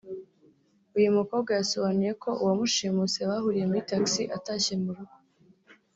uyu mukobwa yasabonuye ko uwamushimuse bahuriye muri Taxi atashye mu rugo